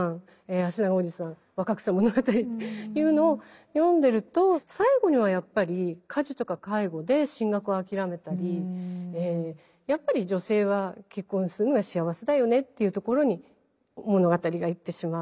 「あしながおじさん」「若草物語」というのを読んでると最後にはやっぱり家事とか介護で進学を諦めたりやっぱり女性は結婚するのが幸せだよねっていうところに物語がいってしまう。